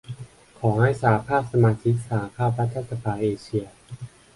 ขอให้สหภาพสมาชิกสหภาพรัฐสภาเอเชีย